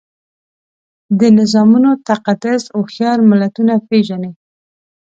د نظامونو تقدس هوښیار ملتونه پېژني.